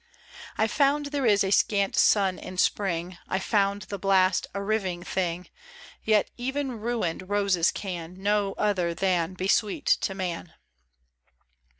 I found there is scant sun in spring, I found the blast a riving thing ; Yet even ruined roses can No other than be sweet to man.